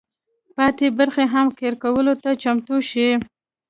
پاتې برخې هم قیر کولو ته چمتو شي.